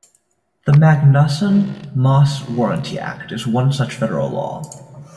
The Magnuson-Moss Warranty Act is one such federal law.